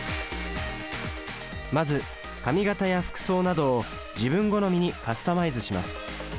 まず髪形や服装などを自分好みにカスタマイズします。